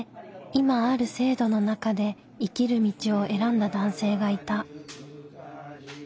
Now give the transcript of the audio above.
今ある制度の中で生きる道を選んだ男性がいた。